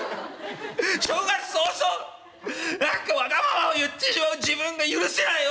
正月早々何かわがままを言ってしまう自分が許せないお父っつぁん。